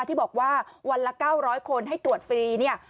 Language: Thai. ที่บอกว่าวันละ๙๐๐คนให้ตรวจฟรีเนี่ย